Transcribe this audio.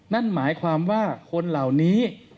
นั่นหมายความว่าคนเหล่านี้